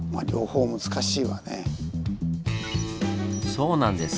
そうなんです。